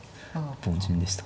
凡人でした。